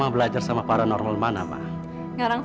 eh bu margaret